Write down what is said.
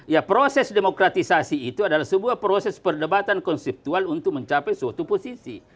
ya proses demokratisasi itu adalah sebuah proses perdebatan konseptual untuk mencapai suatu posisi